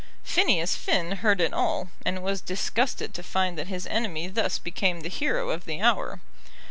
Phineas Finn heard it all, and was disgusted to find that his enemy thus became the hero of the hour.